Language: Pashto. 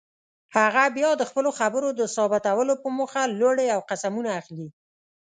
هغه بیا د خپلو خبرو د ثابتولو په موخه لوړې او قسمونه اخلي.